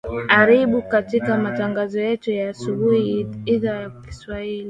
aribu katika matangazo yetu ya asubuhi ya idhaa ya kiswahili